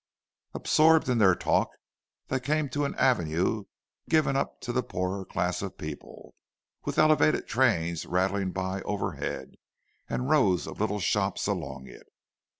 Absorbed in their talk, they came to an avenue given up to the poorer class of people; with elevated trains rattling by overhead, and rows of little shops along it.